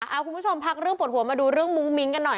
เอาคุณผู้ชมพักเรื่องปวดหัวมาดูเรื่องมุ้งมิ้งกันหน่อย